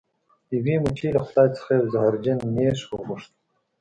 یوې مچۍ له خدای څخه یو زهرجن نیش وغوښت.